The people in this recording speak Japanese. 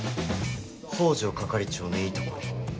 北条係長のいいところ。